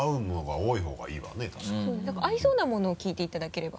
合いそうなものを聞いていただければ。